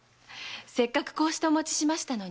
せっかくこうしてお持ちしましたのに。